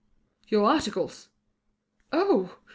"Your articles." "Oh!